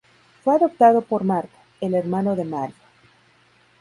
Fue adoptado por Marco, el hermano de Mario.